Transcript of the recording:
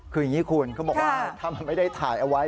คืออย่างนี้คุณเขาบอกว่าถ้ามันไม่ได้ถ่ายเอาไว้